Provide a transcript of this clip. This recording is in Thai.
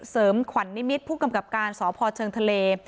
ขวัญนิมิตรผู้กำกับการสพเชิงทะเล